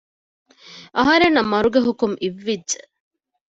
އަހަރެންނަށް މަރުގެ ހުކުމް އިއްވިއްޖެ